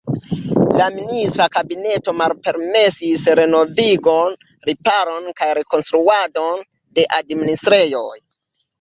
La ministra kabineto malpermesis renovigon, riparon kaj rekonstruadon de administrejoj.